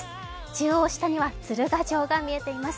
中央下には鶴ヶ城が見えています。